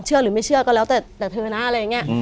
หรือไม่เชื่อก็แล้วแต่เธอนะอะไรอย่างนี้